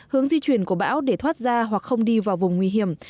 hướng di chuyển của bão để thoát ra hoặc không đi vào vùng nguy hiểm